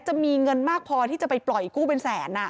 จะมีเงินมากพอที่จะไปปล่อยกู้เป็นแสน